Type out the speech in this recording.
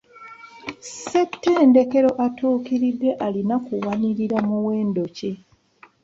Ssettendekero atuukiridde alina kuwanirira muwendo ki?